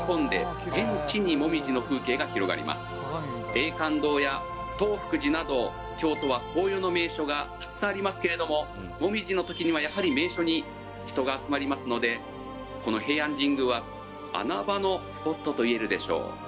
「永観堂や東福寺など京都は紅葉の名所がたくさんありますけれども紅葉の時にはやはり名所に人が集まりますのでこの平安神宮は穴場のスポットといえるでしょう」